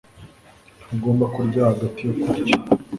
Ntugomba kurya hagati yo kurya